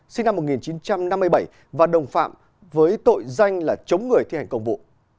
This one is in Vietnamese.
sinh năm một nghìn chín trăm năm mươi bảy và đồng phạm với tội danh là chống người thi hành công vụ